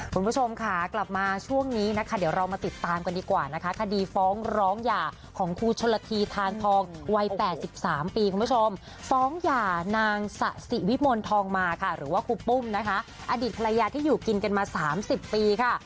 คุณผู้ชมค่ะกลับมาช่วงนี้นะคะเดี๋ยวเรามาติดตามกันดีกว่านะคะคดีฟ้องร้องหย่าของครูชนละทีทานทองวัย๘๓ปีคุณผู้ชมฟ้องหย่านางสะสิวิมลทองมาค่ะหรือว่าครูปุ้มนะคะอดีตภรรยาที่อยู่กินกันมา๓๐ปีค่ะ